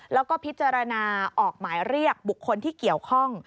แล้วก็พิจารณาออกหมายเรียกบุคคลที่เกี่ยวข้อง